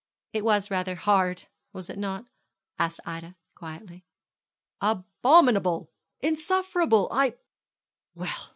'It was rather hard, was it not?' said Ida quietly. 'Abominable, insufferable! I well.